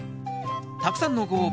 たくさんのご応募